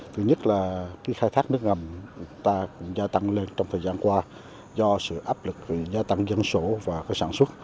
thứ nhất là khi khai thác nước ngầm ta cũng gia tăng lên trong thời gian qua do sự áp lực gia tăng dân số và sản xuất